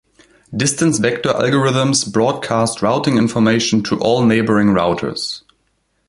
Distance vector algorithms broadcast routing information to all neighboring routers.